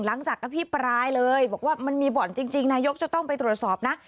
หลังจากกับพี่ปรายเลยบอกว่ามันมีบ่อนจริงนายกจะต้องไปตรวจสอบนะ